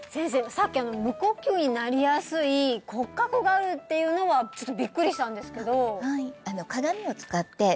さっき無呼吸になりやすい骨格があるっていうのはちょっとビックリしたんですけどのでは